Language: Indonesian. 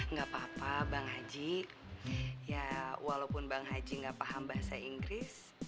nggak apa apa bang haji ya walaupun bang haji nggak paham bahasa inggris